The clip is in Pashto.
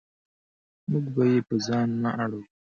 موږ به یې په ځان نه اړوو.